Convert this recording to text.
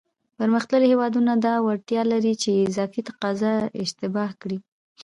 پرمختللی هېوادونه دا وړتیا لري چې اضافي تقاضا اشباع کړي.